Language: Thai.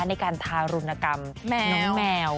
ในการทารุณกรรมน้องแมว